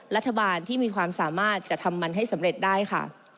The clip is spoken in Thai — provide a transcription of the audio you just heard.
รัฐบาลที่มีความสามารถจะทำมันให้สำเร็จได้ค่ะ